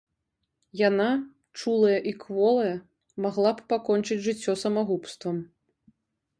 Яна, чулая і кволая, магла б пакончыць жыццё самагубствам.